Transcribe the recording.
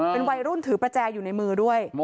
เป็นวัยรุ่นถือประแจอยู่ในมือด้วย